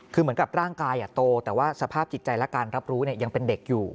คือเหมือนกับร่างกายโตแต่ว่าสภาพจิตใจและการรับรู้ยังเป็นเด็กอยู่